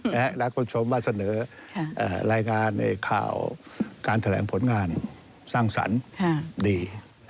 และคุณผู้ชมมาเสนอรายงานในข่าวการแถลงผลงานสร้างสรรค์ดี